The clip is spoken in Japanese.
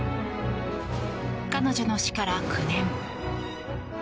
彼女の死から９年。